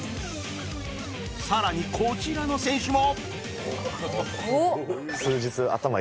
更にこちらの選手も